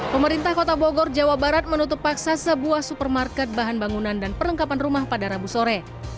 pemerintah kota bogor jawa barat menutup paksa sebuah supermarket bahan bangunan dan perlengkapan rumah pada rabu sore